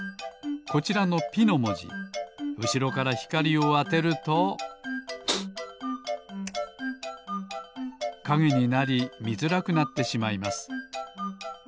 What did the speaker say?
こちらの「ピ」のもじうしろからひかりをあてるとかげになりみづらくなってしまいます